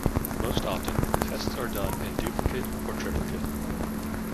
Most often, tests are done in duplicate or triplicate.